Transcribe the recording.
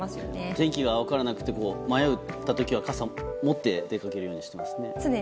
天気が分からなくて迷った時は傘を持って出るようにしています。